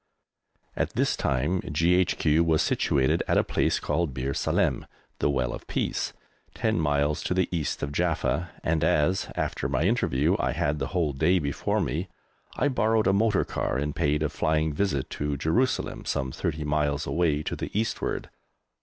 At this time G.H.Q. was situated at a place called Bir Salem (the Well of Peace), ten miles to the east of Jaffa, and as, after my interview, I had the whole day before me, I borrowed a motor car and paid a flying visit to Jerusalem, some thirty miles away to the eastward.